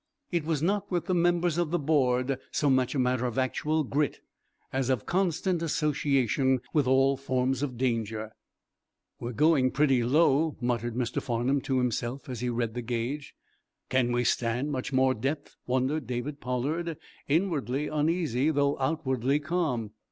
It was not, with the members of the board, so much a matter of actual grit as of constant association with all forms of danger. "We're going pretty low," muttered Mr. Farnum to himself, as he read the gauge. "Can we stand much more depth?" wondered David Pollard, inwardly uneasy, though outwardly calm.